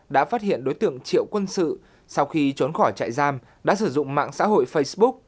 đã phát hiện đối tượng triệu quân sự sau khi trốn khỏi trại giam đã sử dụng mạng xã hội facebook